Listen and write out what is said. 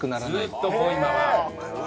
ずっと濃いまま。